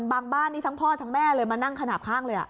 บ้านนี้ทั้งพ่อทั้งแม่เลยมานั่งขนาดข้างเลย